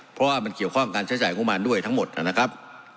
เพราะว่ามันเกี่ยวข้องการใช้จ่ายงบมารด้วยทั้งหมดนะครับ